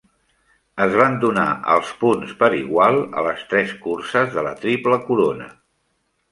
Es van donar els punts per igual a les tres curses de la Triple Corona.